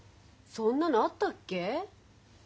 そんなのあったっけ？